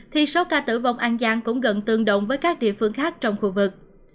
thì số ca tử vong an giang cũng gần tương đồng với các địa phương khác trong khu vực